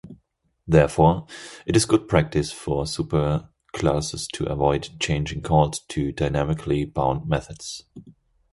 Therefore, it is good practice for super-classes to avoid changing calls to dynamically-bound methods.